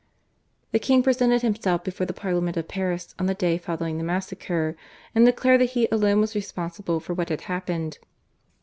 The king presented himself before the Parliament of Paris on the day following the massacre, and declared that he alone was responsible for what had happened.